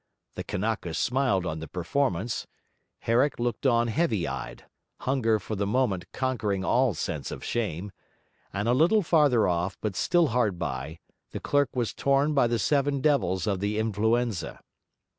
The Kanakas smiled on the performance; Herrick looked on heavy eyed, hunger for the moment conquering all sense of shame; and a little farther off, but still hard by, the clerk was torn by the seven devils of the influenza.